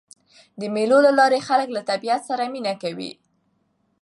د مېلو له لاري خلک له طبیعت سره مینه کوي.